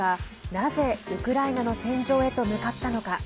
なぜ、ウクライナの戦場へと向かったのか。